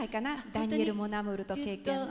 「ダニエル・モナムール」と「経験」の。